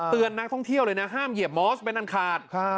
นักท่องเที่ยวเลยนะห้ามเหยียบมอสเป็นอันขาด